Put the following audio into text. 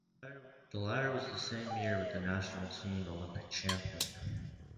The latter was the same year with the national team Olympic champion.